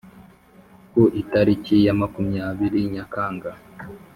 ku itariki ya makumyabiri nyakanga